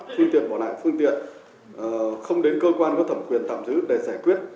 khi tiền bỏ lại phương tiện không đến cơ quan có thẩm quyền tạm giữ để giải quyết